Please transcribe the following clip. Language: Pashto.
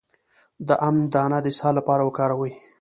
د ام دانه د اسهال لپاره وکاروئ